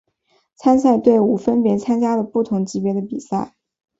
参赛队伍分别参加了不同级别的比赛。